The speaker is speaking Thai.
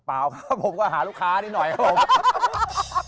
เปล่าครับผมก็หาลูกค้านิดหน่อยครับผม